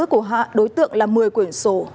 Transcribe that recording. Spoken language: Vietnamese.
của họ đối tượng là một mươi quyển sổ